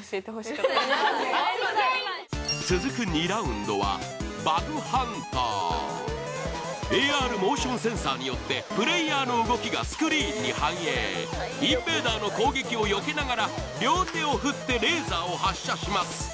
続くＡＲモーションセンサーによってプレーヤーの動きがスクリーンに反映インベーダーの攻撃をよけながら両手を振ってレーザーを発射します